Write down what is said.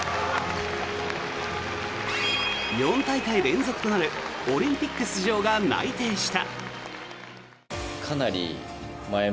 ４大会連続となるオリンピック出場が内定した。